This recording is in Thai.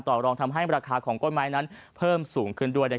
ที่การต่อรองทำให้ราคาของกล้วยไม้นั้นเพิ่มสูงขึ้นด้วย